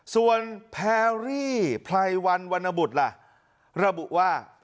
ส่วนแพรรี่ไพรวันวรรณบุตรล่ะระบุว่า